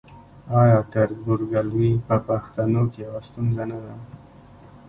آیا تربورګلوي په پښتنو کې یوه ستونزه نه ده؟